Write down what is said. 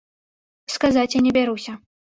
Сказаць я не бяруся.